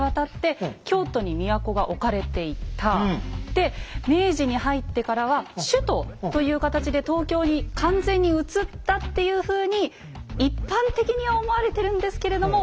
で明治に入ってからは「首都」という形で東京に完全にうつったっていうふうに一般的に思われてるんですけれども。